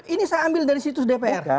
ini saya ambil dari situs dpr